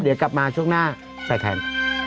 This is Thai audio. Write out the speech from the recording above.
เดี๋ยวกลับมาช่วงหน้าใส่แทน